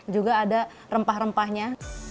juga ada rempah rempahnya